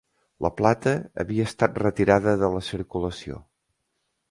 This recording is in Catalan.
La plata havia estat retirada de la circulació